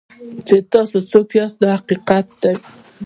چې تاسو څوک یاست دا حقیقت دی.